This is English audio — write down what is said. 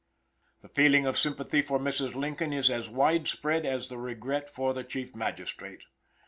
The feeling of sympathy for Mrs. Lincoln is as wide spread as the regret for the chief magistrate.